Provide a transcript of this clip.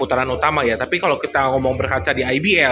putaran utama ya tapi kalau kita ngomong berkaca di ibl